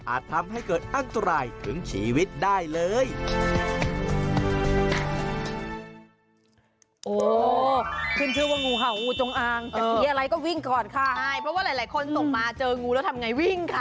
ทำให้เกิดอันตรายถึงชีวิตได้เลย